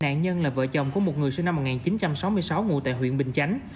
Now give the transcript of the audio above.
nạn nhân là vợ chồng của một người sinh năm một nghìn chín trăm sáu mươi sáu ngủ tại huyện bình chánh